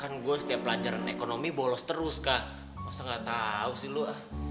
kan gue setiap pelajaran ekonomi bolos terus kak masa gak tau sih lu ah